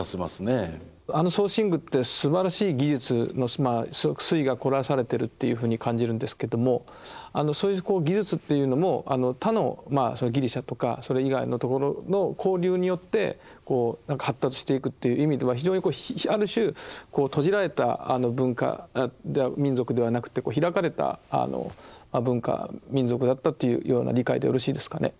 あの装身具ってすばらしい技術の粋が凝らされてるというふうに感じるんですけどもそういう技術っていうのも他のギリシャとかそれ以外のところの交流によって発達していくという意味では非常にある種閉じられた文化民族ではなくて開かれた文化民族だったというような理解でよろしいですかね？